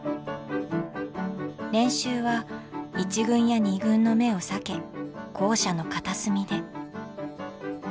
練習は１軍や２軍の目を避け校舎の片隅で。